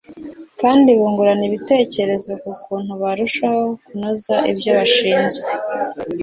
kandi bungurana ibitekerezo ku kuntu barushaho kunoza ibyo bashinzwe